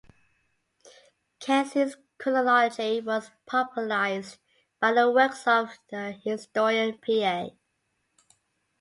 Keyser's chronology was popularized by the works of the historian P. A.